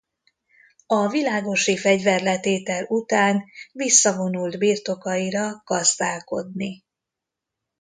A világosi fegyverletétel után visszavonult birtokaira gazdálkodni.